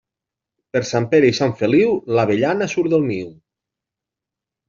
Per Sant Pere i Sant Feliu, l'avellana surt del niu.